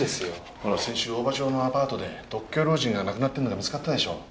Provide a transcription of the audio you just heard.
ほら先週大場町のアパートで独居老人が亡くなってるのが見つかったでしょう。